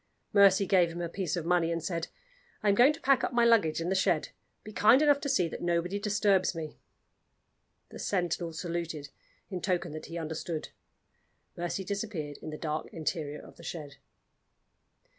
Mercy gave him a piece of money, and said: "I am going to pack up my luggage in the shed. Be kind enough to see that nobody disturbs me." The sentinel saluted, in token that he understood. Mercy disappeared in the dark interior of the shed.